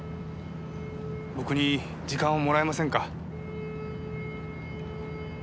僕に時間をもらえませんか？